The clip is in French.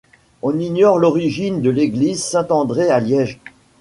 On ignore l'origine de l'église Saint-André à Liège.